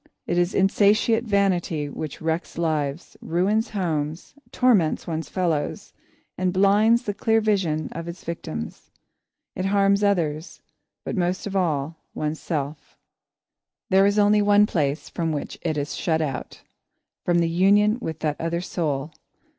It is insatiate vanity which wrecks lives, ruins homes, torments one's fellows, and blinds the clear vision of its victims. It harms others, but most of all one's self. [Sidenote: The Conqueror] There is only one place from which it is shut out from the union with that other soul.